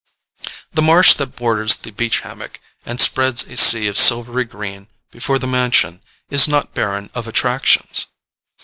The marsh that borders the beach hammock and spreads a sea of silvery green before the mansion is not barren of attractions.